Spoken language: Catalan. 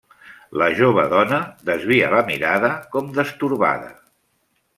La jove dona desvia la mirada, com destorbada.